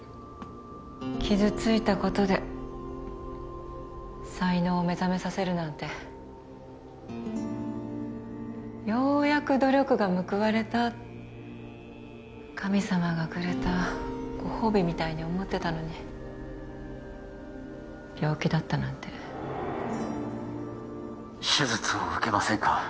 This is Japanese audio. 傷ついたことで才能を目覚めさせるなんてようやく努力が報われた神様がくれたご褒美みたいに思ってたのに病気だったなんて手術を受けませんか？